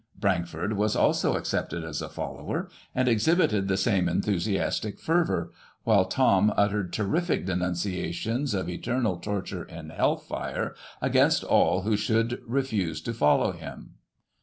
" Brankford was also accepted as a follower, and exhibited the same enthu siastic fervour, while Thom uttered terrific denunciations of eternal torture in hell fire against all who should refuse to follow him.